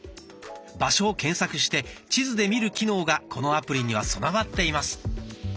場所を検索して地図で見る機能がこのアプリには備わっています。